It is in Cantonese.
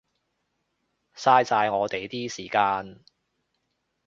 嘥晒我哋啲時間